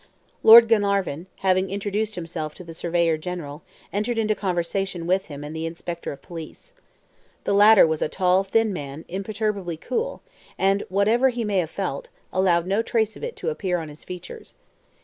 Lord Glenarvan, having introduced himself to the surveyor general, entered into conversation with him and the inspector of police. The latter was a tall, thin man, im perturbably cool, and, whatever he may have felt, allowed no trace of it to appear on his features.